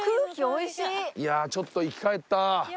いやーちょっと生き返った。